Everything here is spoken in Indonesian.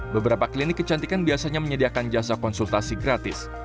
beberapa klinik kecantikan biasanya menyediakan jasa konsultasi gratis